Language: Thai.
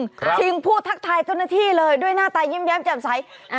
ชิงพูดทักทายเจ้าหน้าที่เลยด้วยหน้าตายิ้มแย้มแจ่มใส